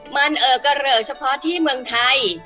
มันก็เหลือเฉพาะที่เมืองไทย